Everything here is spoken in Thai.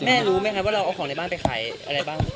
รู้ไหมครับว่าเราเอาของในบ้านไปขายอะไรบ้าง